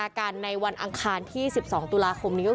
ก็กลายเป็นว่าติดต่อพี่น้องคู่นี้ไม่ได้เลยค่ะ